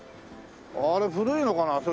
あれ古いのかな？